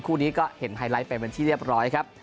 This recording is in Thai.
คู่นี้ก็เห็นไฮไลท์ไปเป็นที่เรียบร้อยครับ